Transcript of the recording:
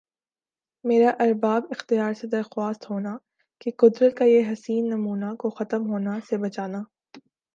میرا ارباب اختیار سے درخواست ہونا کہ قدرت کا یِہ حسین نمونہ کو ختم ہونا سے بچنا